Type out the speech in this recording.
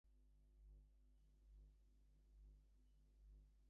Both are endangered and rarely seen.